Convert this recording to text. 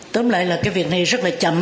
tóm lại là cái việc này rất là chậm